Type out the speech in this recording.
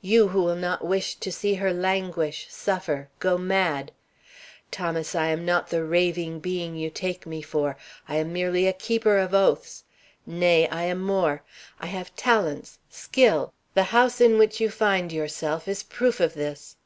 You who will not wish to see her languish suffer go mad Thomas, I am not the raving being you take me for. I am merely a keeper of oaths. Nay, I am more. I have talents, skill. The house in which you find yourself is proof of this.